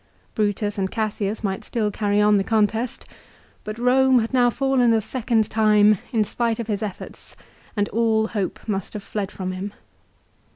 Brutus and Cassius might still carry on the contest ; but Borne had now fallen a second time in spite of his efforts, and all hope must have fled from him.